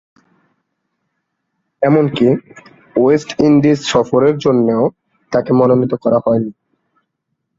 এমনকি West Indies সফরের জন্যও তাকে মনোনীত করা হয়নি।